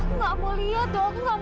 aku gak mau lihat